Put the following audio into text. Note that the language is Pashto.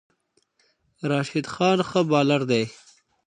راشد خان ښه بالر دی